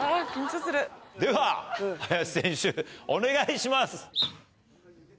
では林選手お願いします。